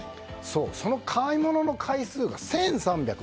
その買い物の回数が１３４０回。